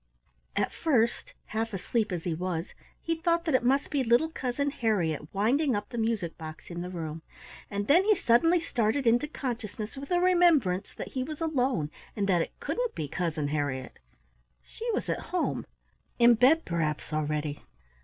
At first, half asleep as he was, he thought that it must be little Cousin Harriett winding up the music box in the room, and then he suddenly started into consciousness with the remembrance that he was alone and that it couldn't be Cousin Harriett. She was at home; in bed perhaps, already.